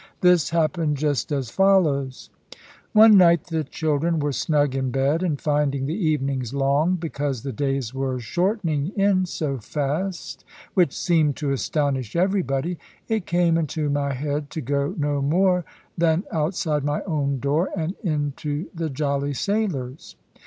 This happened just as follows: One night the children were snug in bed, and finding the evenings long, because the days were shortening in so fast which seemed to astonish everybody it came into my head to go no more than outside my own door, and into the "Jolly Sailors."